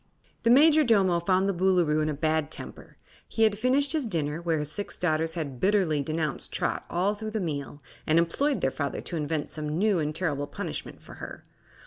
The Majordomo found the Boolooroo in a bad temper. He had finished his dinner, where his six daughters had bitterly denounced Trot all through the meal and implored their father to invent some new and terrible punishment for her.